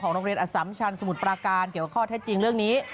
โรงเรียนอสัมชันสมุทรปราการเกี่ยวกับข้อเท็จจริงเรื่องนี้